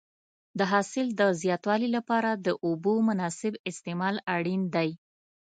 د حاصل د زیاتوالي لپاره د اوبو مناسب استعمال اړین دی.